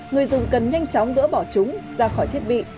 người dùng cần nhanh chóng gỡ bỏ chúng ra khỏi thiết bị